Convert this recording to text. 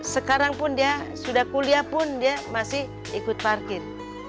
sekarang pun dia sudah kuliah pun dia masih ikut parkir